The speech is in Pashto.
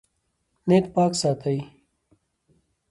نیت پاک ساتئ